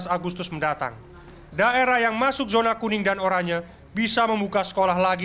tujuh belas agustus mendatang daerah yang masuk zona kuning dan oranye bisa membuka sekolah lagi